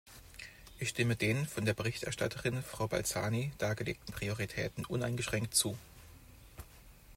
Ich stimme den von der Berichterstatterin, Frau Balzani, dargelegten Prioritäten uneingeschränkt zu.